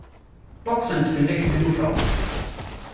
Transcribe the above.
Ṭṭuqqtent fell-ak tlufa.